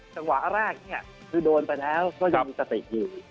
จังหวะแรกเนี่ยคือโดนไปแล้วก็ยังมีสติอยู่